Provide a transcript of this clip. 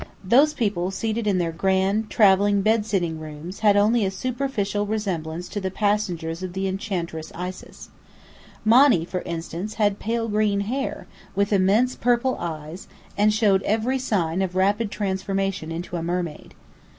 Those people seated in their grand, travelling "bed sitting rooms," had only a superficial resemblance to the passengers of the Enchantress Isis. Monny, for instance, had pale green hair, with immense purple eyes; and showed every sign of rapid transformation into a mermaid.